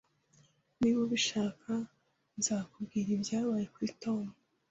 Niba ubishaka, nzakubwira ibyabaye kuri Tom